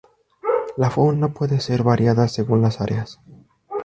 La fauna puede ser variada según las áreas.